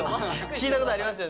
聴いたことありますよ